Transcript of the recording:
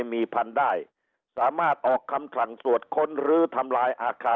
มีพรรดิ์ได้สามารถออกคำครังสววดคนหรือทำลายอาคา